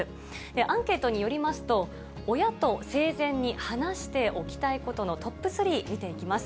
アンケートによりますと、親と生前に話しておきたいことのトップ３、見ていきます。